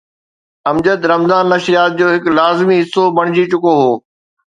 امجد رمضان نشريات جو هڪ لازمي حصو بڻجي چڪو هو.